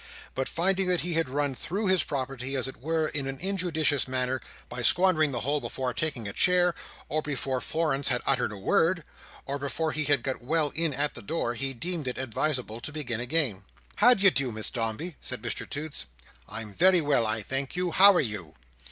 But finding that he had run through his property, as it were, in an injudicious manner, by squandering the whole before taking a chair, or before Florence had uttered a word, or before he had well got in at the door, he deemed it advisable to begin again. "How d'ye do, Miss Dombey?" said Mr Toots. "I'm very well, I thank you; how are you?"